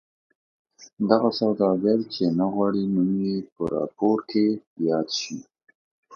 دغه سوداګر چې نه غواړي نوم یې په راپور کې یاد شي.